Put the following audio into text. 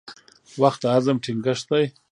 • وخت د عزم ټینګښت دی.